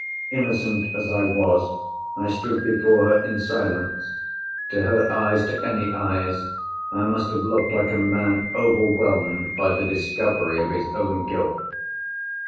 Innocent as I was, I stood before her in silence. To her eyes, to any eyes, I must have looked like a man overwhelmed by the discovery of his own guilt.